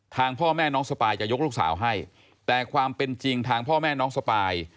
ทางพ่อแม่น้องสปายจะยกลูกสาวให้แต่ความเป็นจริงทางพ่อแม่น้องสปาย